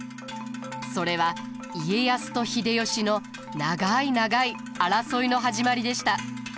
それは家康と秀吉の長い長い争いの始まりでした。